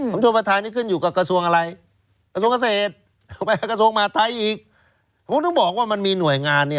กรมชนประธานนี้ขึ้นอยู่กับกระทรวงอะไร